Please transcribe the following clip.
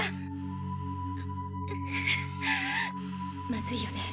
まずいよね